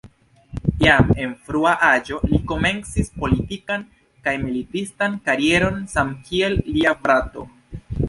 Jam en frua aĝo li komencis politikan kaj militistan karieron samkiel lia frato.